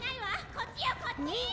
こっちよこっち！